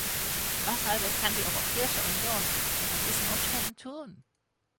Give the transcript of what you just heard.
Was also kann die Europäische Union unter diesen Umständen tun?